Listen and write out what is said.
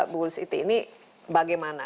bu siti ini bagaimana